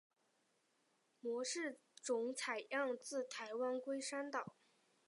模式种采样自台湾龟山岛。